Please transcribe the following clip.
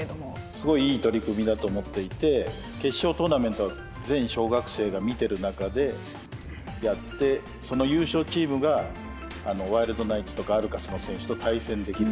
すごいいい取り組みだと思っていて決勝トーナメントは全小学生が見てる中でやってその優勝チームがワイルドナイツとかアルカスの選手と対戦できるとか。